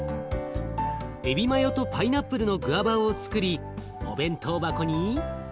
えびマヨとパイナップルのグアバオをつくりお弁当箱に。